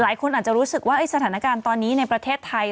หลายคนอาจจะรู้สึกว่าสถานการณ์ตอนนี้ในประเทศไทย